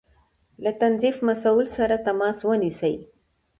له تنظيف مسؤل سره تماس ونيسئ